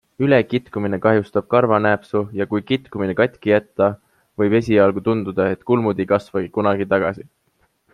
Ülekitkumine kahjustab karvanääpsu ja kui kitkumine katki jätta, võib esialgu tunduda, et kulmud ei kasvagi kunagi tagasi.